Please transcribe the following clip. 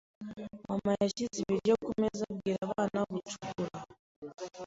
Mama yashyize ibiryo kumeza abwira abana gucukura.